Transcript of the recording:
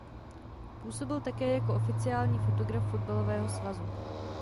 Působil také jako oficiální fotograf fotbalového svazu.